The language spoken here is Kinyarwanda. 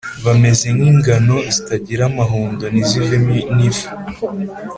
bameze nk’ingano zitagira amahundo, ntizivemo n’ifu,